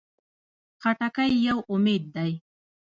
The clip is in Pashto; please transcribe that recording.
خټکی یو امید دی.